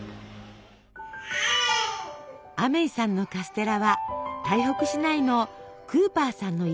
アメイさんのカステラは台北市内のクーパーさんの家へ。